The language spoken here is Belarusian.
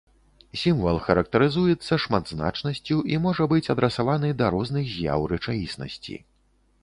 Сімвал характарызуецца шматзначнасцю і можа быць адрасаваны да розных з'яў рэчаіснасці.